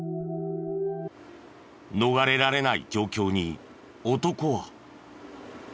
逃れられない状況に男は。